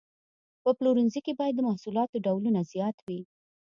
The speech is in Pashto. په پلورنځي کې باید د محصولاتو ډولونه زیات وي.